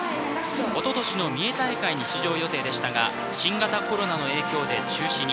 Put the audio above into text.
おととしの三重大会に出場予定でしたが新型コロナの影響で中止に。